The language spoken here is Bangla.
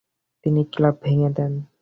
তিনি ক্লাব ভেঙে দেন।